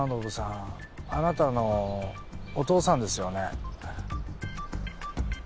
あなたのお父さんですよね。